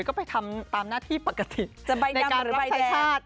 ก็ไปทำตามหน้าที่ปกติในการรับชายชาติ